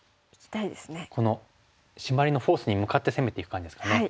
このシマリのフォースに向かって攻めていく感じですかね。